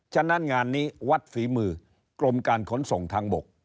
ฉะนั้นงานนี้วัดฝีมือกรมการขนส่งทางบก